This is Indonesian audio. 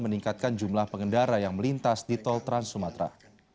meningkatkan jumlah pengendara yang melintas di tol trans sumatera